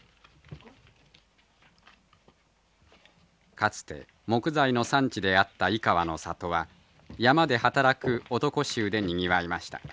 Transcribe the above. かつて木材の産地であった井川の里は山で働く男衆でにぎわいました。